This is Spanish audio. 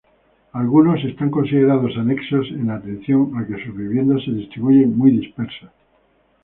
Algunos son considerados Anexos en atención a que sus viviendas se distribuyen muy dispersas.